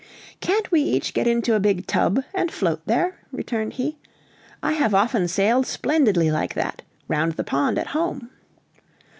"Can't we each get into a big tub, and float there?" returned he. "I have often sailed splendidly like that, round the pond at home."